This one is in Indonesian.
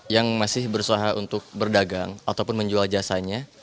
yang masih berusaha untuk berdagang ataupun menjual jasanya